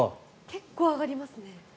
結構上がりますね。